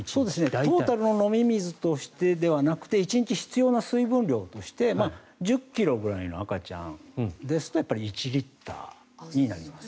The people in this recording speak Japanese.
トータルの飲み水としてではなくて１日必要な水分量として１０ｋｇくらいの赤ちゃんですと１リットルになります。